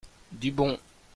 Du bon.